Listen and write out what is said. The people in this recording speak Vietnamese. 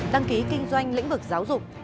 đăng ký kinh doanh lĩnh vực giáo dục